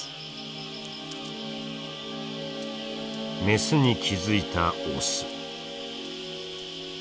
メスに気付いたオス。